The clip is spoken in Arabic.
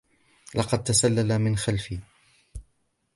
لقد تسلل من خلفي.